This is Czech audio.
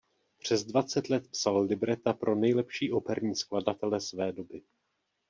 Přes dvacet let psal libreta pro nejlepší operní skladatele své doby.